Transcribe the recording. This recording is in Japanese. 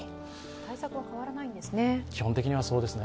対策は変わらないんですね。